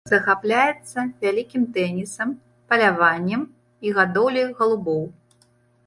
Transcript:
Захапляецца вялікім тэнісам, паляваннем і гадоўляй галубоў.